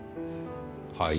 はい？